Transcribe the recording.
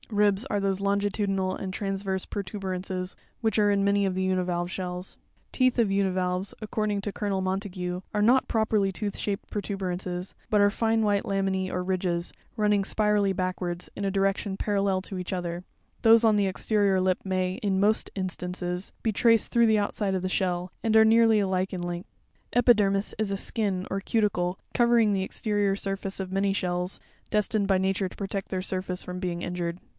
Ribs are those longitudinal and transverse protuberances which are in many of the univalve shells (fig. 46). Teeth of univalves, according to Colonel Montagu, are not properly tooth shaped protuberances, but are fine white laminz or ridges, running spirally backwards, in a direction parallel to each other ; those on the exterior lip may, in most instances, be traced through the outside of the shell, and are nearly alike in length (figs. 24, 25 and 42). Epidermis is a skin, or cuticle, covering the exterior surface of many shells, destined by nature to protect their surface from being injured.